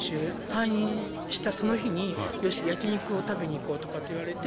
退院したその日によし焼き肉を食べに行こうとかって言われて。